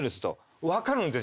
分かるんですよ